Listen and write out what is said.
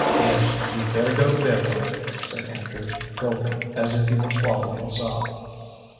"Yes, you'd better go to bed, Ellen," said Andrew, gulping as if he were swallowing a sob.